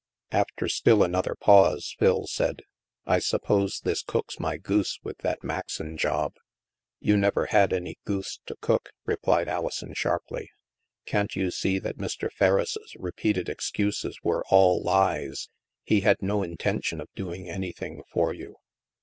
After still another pause, Phil said :" I suppose this cooks my goose with that Maxon job." " You never had any goose to cook," replied Ali son sharply. *' Can't you see that Mr. Ferriss' re peated excuses were all lies. He had no intention of doing anything for you."